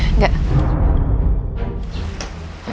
enggak kamu liat deh kesana deh